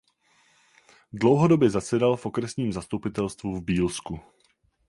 Dlouhodobě zasedal v okresním zastupitelstvu v Bílsku.